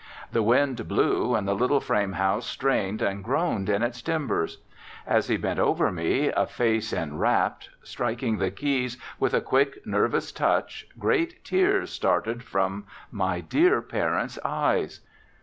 The wind blew, and the little frame house strained and groaned in its timbers. As he bent over me a face enwrapt, striking the keys with a quick, nervous touch, great tears started from my dear parent's eyes.